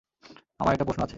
আমার একটা প্রশ্ন আছে।